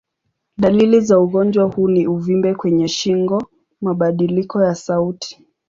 Dalili za ugonjwa huu ni uvimbe kwenye shingo, mabadiliko ya sauti.